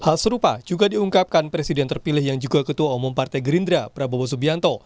hal serupa juga diungkapkan presiden terpilih yang juga ketua umum partai gerindra prabowo subianto